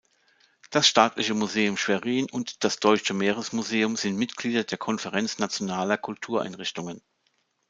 Das Staatliche Museum Schwerin und das Deutsche Meeresmuseum sind Mitglieder der Konferenz Nationaler Kultureinrichtungen.